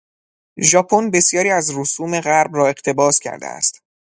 ژاپن بسیاری از رسوم غرب را اقتباس کرده است.